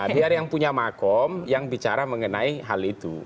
biar yang punya makom yang bicara mengenai hal itu